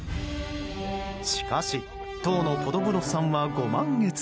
しかし当のポドブノフさんはご満悦。